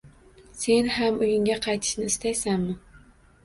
Sen ham uyingga qaytishni istaysanmi